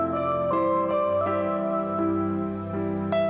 ma aku mau pergi